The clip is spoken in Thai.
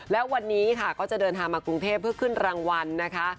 และวันนี้ค่ะก็จะเดินทางมากรุงเทพเพื่อขึ้นรางวัลนะคะ